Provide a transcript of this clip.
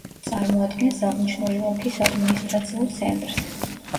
წარმოადგენს აღნიშნული ოლქის ადმინისტრაციულ ცენტრს.